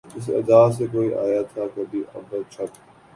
جس ادا سے کوئی آیا تھا کبھی اول شب